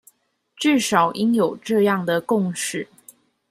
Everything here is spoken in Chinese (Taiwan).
至少應有這樣的共識